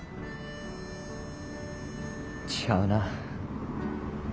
違うな。